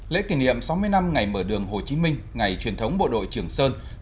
lễ kỷ niệm sáu mươi năm ngày mở đường hồ chí minh ngày truyền thống bộ đội trường sơn